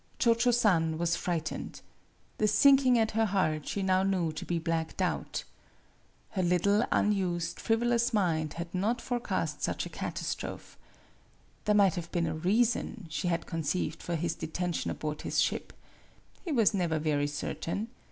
Cho Cho San was frightened. The sink ing at her heart she now knew to be black doubt. Her little, unused, frivolous mind MADAME BUTTERFLY 75 had not forecast such a catastrophe. There might have been a reason, she had con ceived, for his detention aboard his ship. He was never very certain.